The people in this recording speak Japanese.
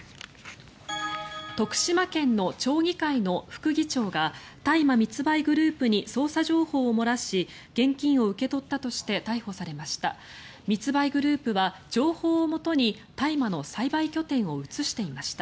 徳島県の町議会の副議長が大麻密売グループに捜査情報を漏らし現金を受け取ったとして逮捕されました。